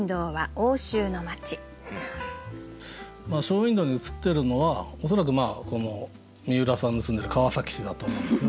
ショーウィンドーに映ってるのは恐らくこの三浦さんの住んでる川崎市だと思うんですよね。